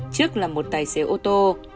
trước là một tài xế ô tô